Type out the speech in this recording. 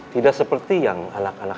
tidak seperti yang anak anak